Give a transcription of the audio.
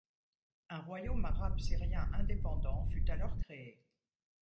Un royaume arabe syrien indépendant fut alors créé.